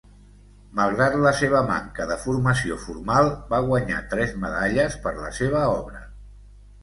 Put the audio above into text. Malgrat la seva manca de formació formal, va guanyar tres medalles per la seva obra.